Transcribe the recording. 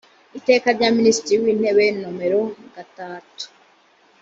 iteka rya minisitiri w intebe nomero gatatu